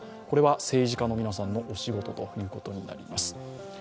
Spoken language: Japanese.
これは政治家の皆さんのお仕事ということになります。